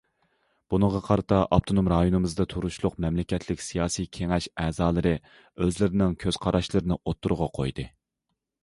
بۇنىڭغا قارىتا، ئاپتونوم رايونىمىزدا تۇرۇشلۇق مەملىكەتلىك سىياسىي كېڭەش ئەزالىرى ئۆزلىرىنىڭ كۆز قاراشلىرىنى ئوتتۇرىغا قويدى.